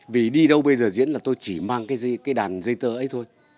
vì đi đâu bây giờ diễn là tôi chỉ mang cái đàn dây tơ ấy thôi